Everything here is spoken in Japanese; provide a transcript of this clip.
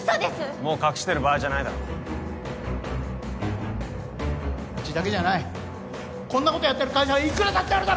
もう隠してる場合じゃないだろうちだけじゃないこんなことやってる会社はいくらだってあるだろ！